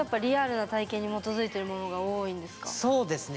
そうですね。